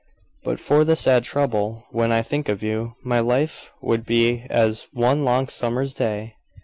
But for the sad trouble when I think of you, my life would be as one long summer's day.